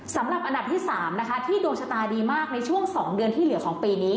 สำหรับอันดับที่๓นะคะที่ดวงชะตาดีมากในช่วง๒เดือนที่เหลือของปีนี้